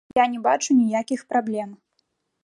Я не бачу ніякіх праблем.